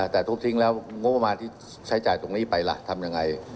แต่ทุบทิ้งแล้วงบประมาณที่ใช้จ่ายตรงนี้ไปล่ะทำยังไง